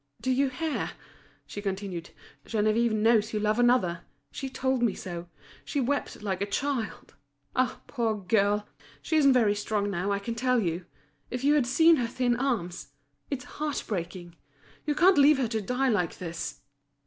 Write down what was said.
"Do you hear?" she continued. "Geneviève knows you love another. She told me so. She wept like a child. Ah, poor girl! she isn't very strong now, I can tell you! If you had seen her thin arms! It's heart breaking. You can't leave her to die like this!"